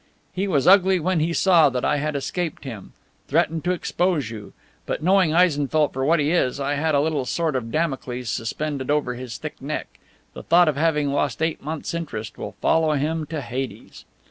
He was ugly when he saw that I had escaped him. Threatened to expose you. But knowing Eisenfeldt for what he is, I had a little sword of Damocles suspended over his thick neck. The thought of having lost eight months' interest will follow him to Hades.